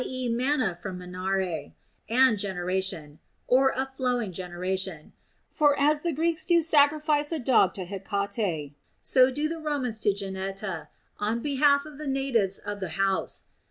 e. Mana from manare) and generation, or a flowing generation ; for as the Greeks do sacrifice a dog to Hecate, so do the Ro mans to Geneta on the behalf of the natives of the house.